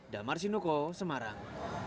damar sinoko semarang